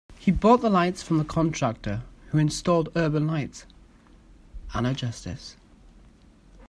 He bought the lights from the contractor who installed Urban Light, Anna Justice.